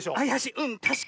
うんたしかに！